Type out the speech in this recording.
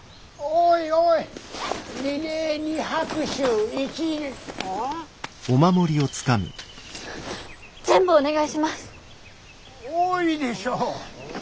多いでしょ。